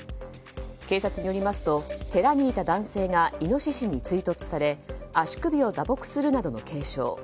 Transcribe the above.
警察によりますと寺にいた男性がイノシシに追突され足首を打撲するなどの軽傷。